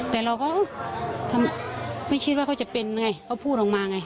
แต่เราก็ไม่คิดว่าเขาจะเป็นไงเขาพูดออกมาไง